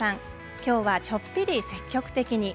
きょうはちょっぴり積極的に。